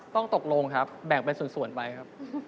ต้องตกลงครับแบ่งเป็นส่วนไปครับ